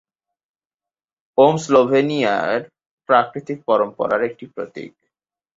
ওম স্লোভেনিয়ার প্রাকৃতিক পরম্পরার একটি প্রতীক।